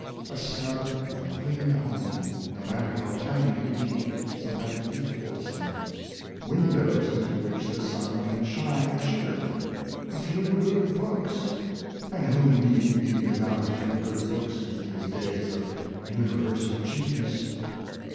A snug and clean home, no matter how . tiny it be, so that it be wholesome. Windows into which the sun can shine cheerily, a few good books (and who need be without a few good books in these days of universal cheapness?)